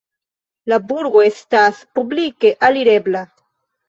La burgo estas publike alirebla.